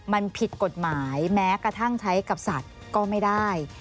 มันผิดกฎหมายแม้กระทั่งใช้กับสัตว์ก็ไม่ได้